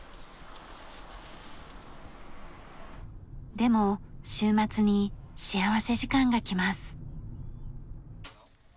でも週末に幸福時間が来ます。